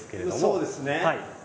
そうですね。